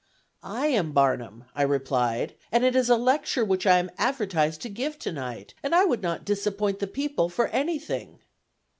"I am Barnum," I replied, "and it is a lecture which I am advertised to give to night; and I would not disappoint the people for anything."